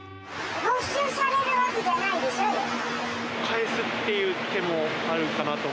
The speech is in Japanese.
返すっていう手もあるかなと。